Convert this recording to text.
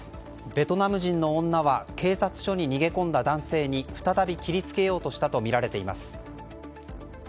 ベトナム人の女は警察署に逃げ込んだ男性に再び切りつけようとしたとみられています。